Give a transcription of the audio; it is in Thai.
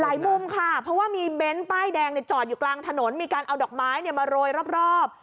มุมค่ะเพราะว่ามีเบนท์ป้ายแดงจอดอยู่กลางถนนมีการเอาดอกไม้มาโรยรอบ